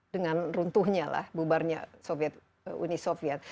dengan runtuhnya lah bubarnya uni soviet